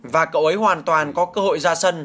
và cậu ấy hoàn toàn có cơ hội ra sân